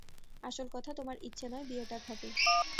আসল কথা, তোমার ইচ্ছে নয় বিয়েটা ঘটে।